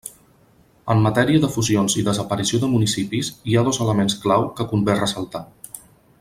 En matèria de fusions i desaparició de municipis hi ha dos elements clau que convé ressaltar.